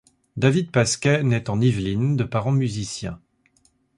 David Pasquet naît en Yvelines, de parents musiciens.